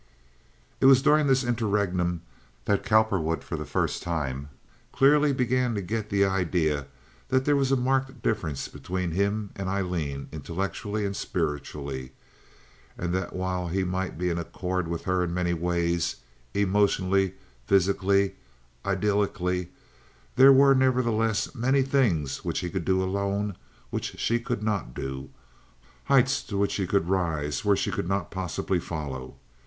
It was during this interregnum that Cowperwood for the first time clearly began to get the idea that there was a marked difference between him and Aileen intellectually and spiritually; and that while he might be in accord with her in many ways—emotionally, physically, idyllicly—there were, nevertheless, many things which he could do alone which she could not do—heights to which he could rise where she could not possibly follow.